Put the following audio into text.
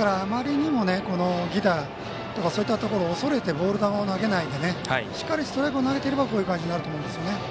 あまりにも、犠打とかそういったところを恐れてボール球を投げないでしっかりストライクを投げていればこんな感じになると思いますね。